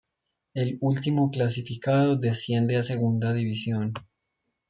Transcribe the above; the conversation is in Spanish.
El último clasificado desciende a segunda división.